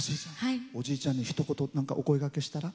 おじいちゃんにひと言お声がけしたら？